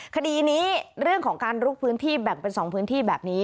คดีนี้เรื่องของการลุกพื้นที่แบ่งเป็น๒พื้นที่แบบนี้